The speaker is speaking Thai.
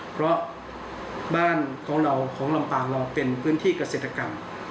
เพราะบ้านของเราของลำปางเราเป็นพื้นที่เกษตรกรรม